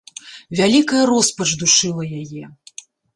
Вялікая роспач душыла яе.